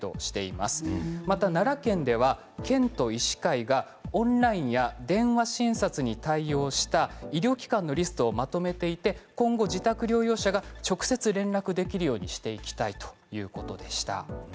また奈良県では県と医師会オンラインや電話診察に対応した医療機関のリストをまとめていて今後自宅療養者が直接連絡できるようにしていきたいということでした。